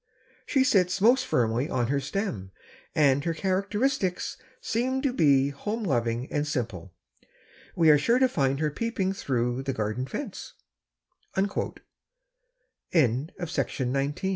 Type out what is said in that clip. She sits most firmly on her stem, and her characteristics seem to be home loving and simple. We are sure to find her peeping through the garden fence." TURTLE HEAD OR SNAKE HEAD. (_Chelone